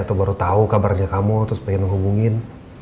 atau baru tahu kabarnya kamu terus pengen menghubungin